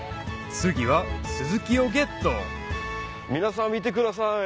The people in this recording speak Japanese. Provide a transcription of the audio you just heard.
次はスズキをゲット皆さん見てください